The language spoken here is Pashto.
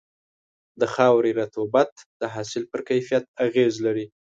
د خاورې رطوبت د حاصل پر کیفیت اغېز لري.